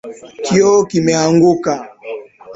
Kioo kimeanguka